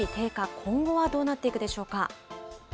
今後はどうなっていくでしょうか。